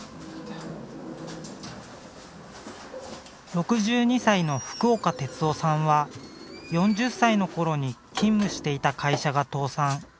６２歳の福岡哲男さんは４０歳のころに勤務していた会社が倒産。